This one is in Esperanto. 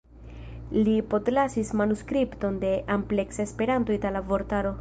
Li postlasis manuskripton de ampleksa Esperanto-itala vortaro.